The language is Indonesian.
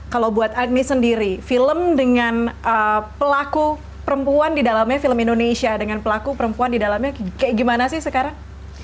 kalau buat agni sendiri film dengan pelaku perempuan di dalamnya film indonesia dengan pelaku perempuan di dalamnya kayak gimana sih sekarang